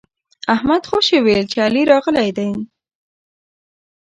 احمد خوشي ويل چې علي راغلی دی.